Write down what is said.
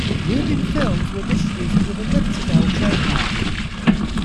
Lubin films were distributed with a Liberty Bell trademark.